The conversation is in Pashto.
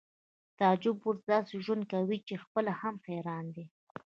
تعجب اوس داسې ژوند کوي چې خپله هم حیران دی